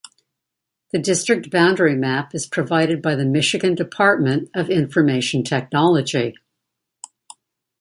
The district boundary map is provided by the Michigan Department of Information Technology.